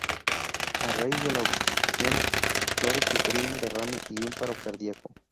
A raíz de la obstrucción, Flores sufrió un derrame y un paro cardíaco.